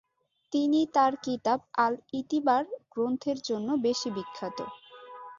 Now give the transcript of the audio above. তিনি তার কিতাব আল-ই'তিবার গ্রন্থের জন্য বেশি বিখ্যাত।